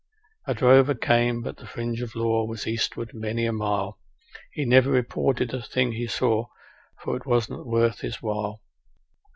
A drover came, but the fringe of law was eastward many a mile; He never reported the thing he saw, for it was not worth his while.